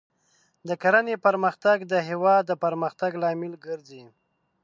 د کرنې پرمختګ د هېواد د پرمختګ لامل ګرځي.